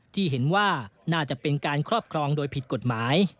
ที่เห็นว่าน่าจะเป็นการครอบครองโดยผิดกฎหมาย